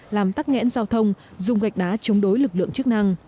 làm tắc nghẽn giao thông dùng gạch đá chống đối lực lượng chức năng